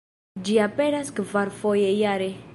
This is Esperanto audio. Ĝi aperas kvarfoje jare.